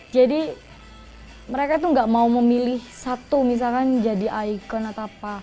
jadi mereka itu nggak mau memilih satu misalkan jadi icon atau apa